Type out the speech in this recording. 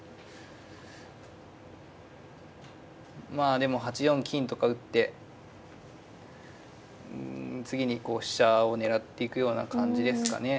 まあでも８四金とか打ってうん次に飛車を狙っていくような感じですかね。